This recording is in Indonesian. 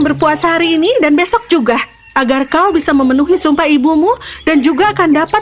berpuasa hari ini dan besok juga agar kau bisa memenuhi sumpah ibumu dan juga akan dapat